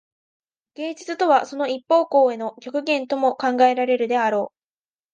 芸術とはその一方向への極限とも考えられるであろう。